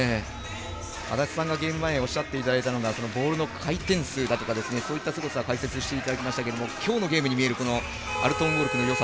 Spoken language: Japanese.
安達さんがゲーム前におっしゃっていたのがボールの回転数だったりとかそういったすごさ解説していただきましたがきょうのゲームに見えるアルトゥンオルクのよさ